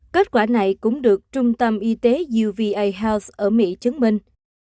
kết quả này cũng được trung tâm y tế ở mỹ chứng minh